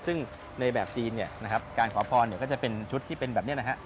ซึ่งในแบบจีนเนี่ยนะครับการขอพรก็จะเป็นชุดที่เป็นแบบนี้นะฮะ